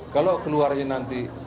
kalau keluarnya nanti